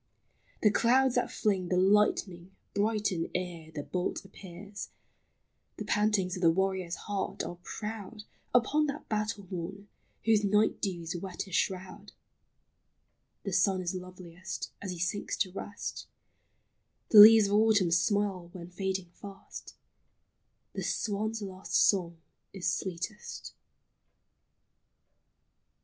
The clouds that fling The lightning brighten ere the bolt appears ; The pantings of the warrior's heart are proud Upon that battle morn whose night dews wet his shroud ; The sun is loveliest as he sinks to rest ; The leaves of autumn smile when fading fast ; The swan's last song is sweetest.